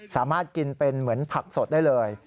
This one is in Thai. สามารถกินเป็นเหมือนผักสดได้เลย